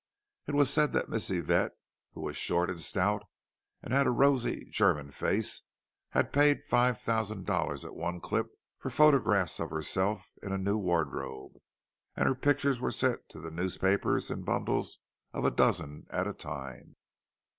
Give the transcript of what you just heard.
It was said that Miss Yvette, who was short and stout, and had a rosy German face, had paid five thousand dollars at one clip for photographs of herself in a new wardrobe; and her pictures were sent to the newspapers in bundles of a dozen at a time.